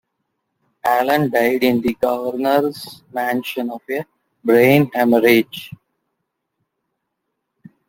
Allen died in the governor's mansion of a brain hemorrhage.